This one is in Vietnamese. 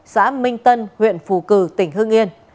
xã minh tân huyện phù cử tỉnh hương yên